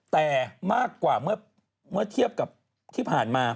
แต่มากกว่าเมื่อเทียบกับที่ผ่านมา